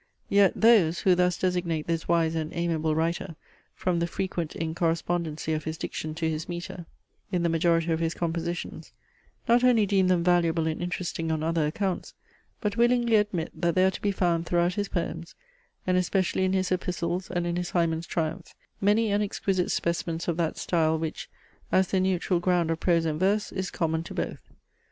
Yet those, who thus designate this wise and amiable writer from the frequent incorrespondency of his diction to his metre in the majority of his compositions, not only deem them valuable and interesting on other accounts; but willingly admit, that there are to be found throughout his poems, and especially in his EPISTLES and in his HYMEN'S TRIUMPH, many and exquisite specimens of that style which, as the neutral ground of prose and verse, is common to both.